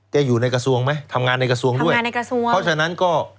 จะอยู่ในกระทรวงไหมทำงานในกระทรวงด้วยเพราะฉะนั้นก็